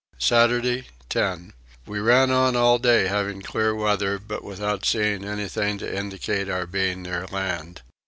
Saturday 10. We ran on all day having clear weather but without seeing anything to indicate our being near land.